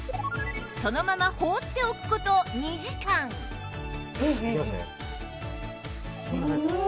そのまま放っておく事２時間いきますね。